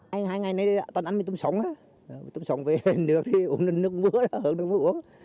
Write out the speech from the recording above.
hai ngày nay toàn ăn mì tôm sống mì tôm sống với nước nước mưa nước mưa uống